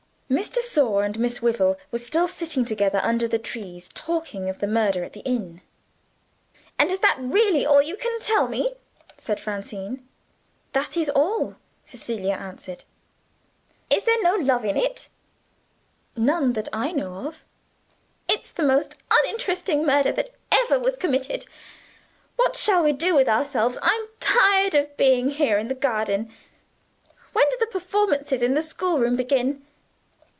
Miss De Sor and Miss Wyvil were still sitting together under the trees, talking of the murder at the inn. "And is that really all you can tell me?" said Francine. "That is all," Cecilia answered. "Is there no love in it?" "None that I know of." "It's the most uninteresting murder that ever was committed. What shall we do with ourselves? I'm tired of being here in the garden. When do the performances in the schoolroom begin?"